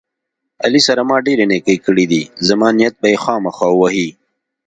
علي سره ما ډېرې نیکۍ کړې دي، زما نیت به یې خواخما وهي.